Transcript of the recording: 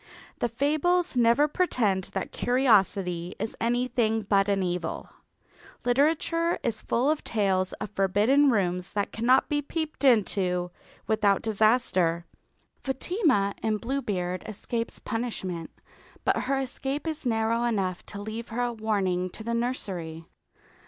The fables never pretend that curiosity is anything but an evil. Literature is full of tales of forbidden rooms that cannot be peeped into without disaster. Fatima in Bluebeard escapes punishment, but her escape is narrow enough to leave her a warning to the nursery.